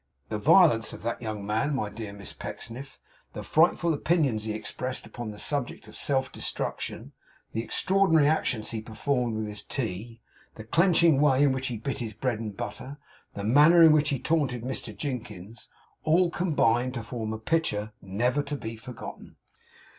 The violence of that young man, my dear Miss Pecksniff; the frightful opinions he expressed upon the subject of self destruction; the extraordinary actions he performed with his tea; the clenching way in which he bit his bread and butter; the manner in which he taunted Mr Jinkins; all combined to form a picture never to be forgotten.